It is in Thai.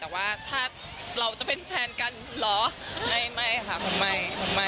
แต่ว่าถ้าเราจะเป็นแฟนกันเหรอไม่ค่ะ